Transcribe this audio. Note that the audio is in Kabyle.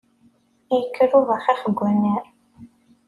Yekker ubaxix deg unnar!